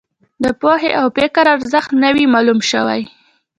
د پوهې او فکر ارزښت نه وي معلوم شوی.